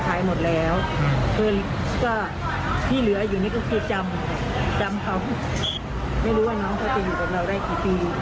แต่ว่าค้าอยู่ข้าวจริงของเขามีคุณต้องหาเองครับ